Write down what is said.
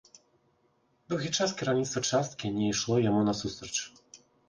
Доўгі час кіраўніцтва часткі не ішло яму насустрач.